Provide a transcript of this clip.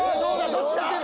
どっちだ？